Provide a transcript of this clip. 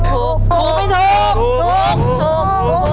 ถูกถูกถูก